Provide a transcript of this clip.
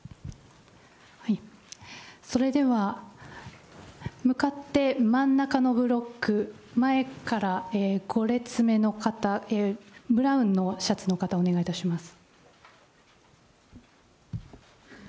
それでは向かって真ん中のブロック、前から５列目の方、ブラウンのシャツの方、お願いいたします。